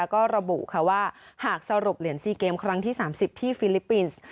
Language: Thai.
ก็ระบุว่าหากสรุปเหรียญ๔เกมครั้งที่๓๐ที่ฟิลิปปินส์